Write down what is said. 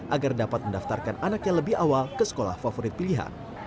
agar dapat mendaftarkan anaknya lebih awal ke sekolah favorit pilihan